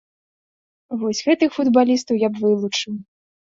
Вось гэтых футбалістаў я б вылучыў.